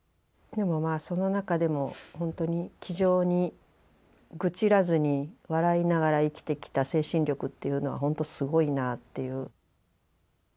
その中でも本当に気丈に愚痴らずに笑いながら生きてきた精神力っていうのはほんとすごいなっていう。